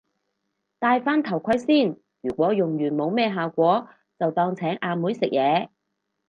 戴返頭盔先，如果用完冇咩效果就當係請阿妹食嘢